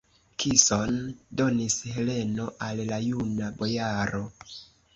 Kison donis Heleno al la juna bojaro!